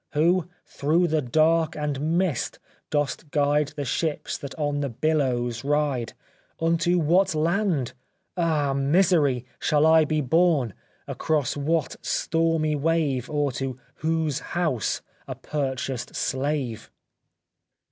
Who through the dark and mist dost guide The ships that on the billows ride, Unto what land, ah, misery ! Shall I be borne, across what stormy wave Or to whose house a purchased slave